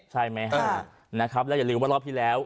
ใช่ไหมฮะนะครับแล้วอย่าลืมว่ารอบที่แล้ว